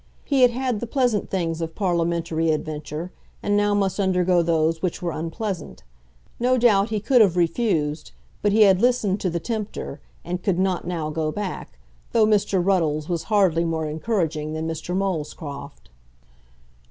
He had had the pleasant things of parliamentary adventure, and now must undergo those which were unpleasant. No doubt he could have refused, but he had listened to the tempter, and could not now go back, though Mr. Ruddles was hardly more encouraging than Mr. Molescroft.